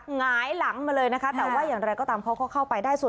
หงายหลังมาเลยนะคะแต่ว่าอย่างไรก็ตามเขาก็เข้าไปได้ส่วน